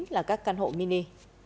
là các căn hộ mini